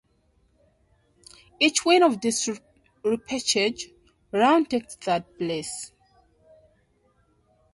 Each winner of this repechage round takes third place.